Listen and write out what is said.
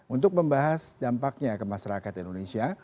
untuk membahas dampaknya ke masyarakat indonesia